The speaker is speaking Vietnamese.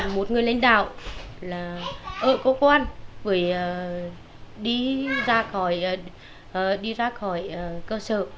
một người lãnh đạo là ở cơ quan đi ra khỏi cơ sở